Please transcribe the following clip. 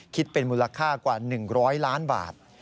คิดเป็นมูลค่ากว่า๑๐๐ล้านบาท